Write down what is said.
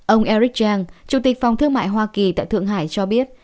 ông eric zhang chủ tịch phòng thương mại hoa kỳ tại thượng hải cho biết